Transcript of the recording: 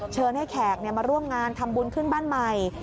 เชิญให้แขกมาร่วมงานทำบุญขึ้นบ้านใหม่